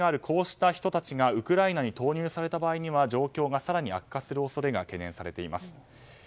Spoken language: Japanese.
こうした人々がウクライナに投入された場合には状況が更に悪化する恐れが懸念されています。